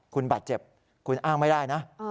คุณบาดเจ็บคุณอ้างไม่ได้นะ